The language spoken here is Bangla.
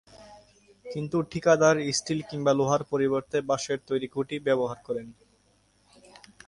কিন্তু ঠিকাদার স্টিল কিংবা লোহার পরিবর্তে বাঁশের তৈরি খুঁটি ব্যবহার করেন।